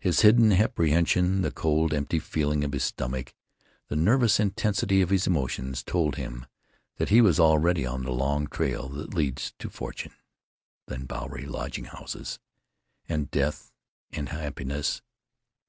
His hidden apprehension, the cold, empty feeling of his stomach, the nervous intensity of his motions, told him that he was already on the long trail that leads to fortune and Bowery lodging houses and death and happiness.